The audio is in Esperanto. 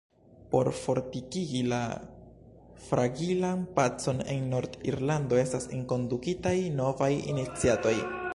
Por fortikigi la fragilan pacon en Nord-Irlando estas enkondukitaj novaj iniciatoj.